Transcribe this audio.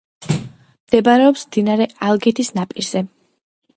მდებარეობს მდინარე ალგეთის ნაპირზე.